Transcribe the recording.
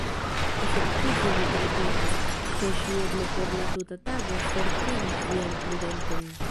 Efektive mi tre timas, ke ŝi eble por la tuta tago forprenos vian prudenton.